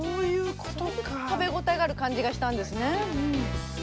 それで食べ応えがある感じがしたんですね。